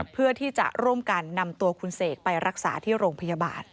เพื่อที่จะร่วมกันนำตัวคุณเสกไปรักษาที่โรงพยาบาล